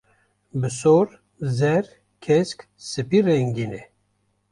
bi sor, zer, kesk, sipî rengîn e.